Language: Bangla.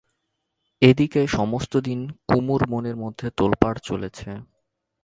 এ দিকে সমস্তদিন কুমুর মনের মধ্যে তোলপাড় চলেছে।